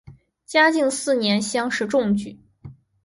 嘉靖四年乡试中举。